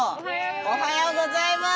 おはようございます。